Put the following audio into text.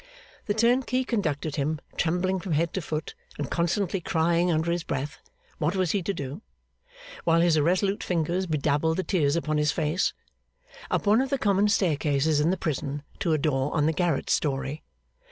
The turnkey conducted him trembling from head to foot, and constantly crying under his breath, What was he to do! while his irresolute fingers bedabbled the tears upon his face up one of the common staircases in the prison to a door on the garret story.